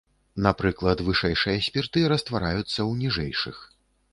Напрыклад вышэйшыя спірты раствараюцца ў ніжэйшых.